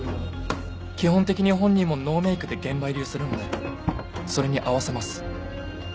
基本的に本人もノーメークで現場入りをするのでそれに合わせます。